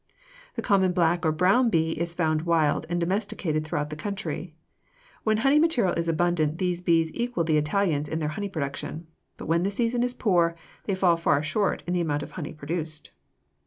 The common black or brown bee is found wild and domesticated throughout the country. When honey material is abundant, these bees equal the Italians in honey production, but when the season is poor, they fall far short in the amount of honey produced.